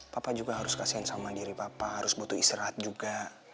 papa juga harus kasihan sama diri papa harus butuh istirahat juga